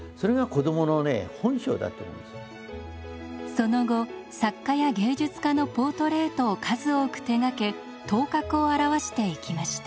その後作家や芸術家のポートレートを数多く手がけ頭角を現していきました。